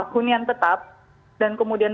hunian tetap dan kemudian